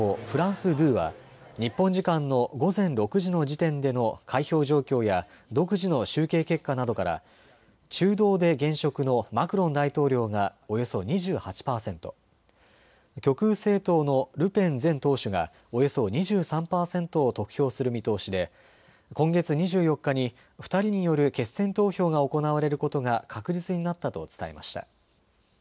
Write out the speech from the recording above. フランス２は日本時間の午前６時の時点での開票状況や独自の集計結果などから中道で現職のマクロン大統領がおよそ２８％、極右政党のルペン前党首がおよそ２３％を得票する見通しで今月２４日に２人による決選投票が行われることが確実になったと伝えました。